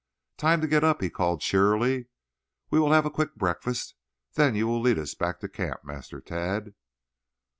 "Time to get up," he called cheerily. "We will have a quick breakfast, then you will lead us back to camp, Master Tad."